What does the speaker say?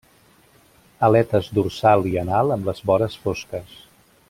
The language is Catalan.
Aletes dorsal i anal amb les vores fosques.